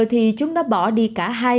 thì chúng nó bỏ đi cả hai